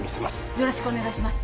よろしくお願いします